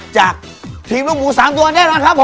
จากทีมลูกหมู๓ตัวแน่นอนครับผม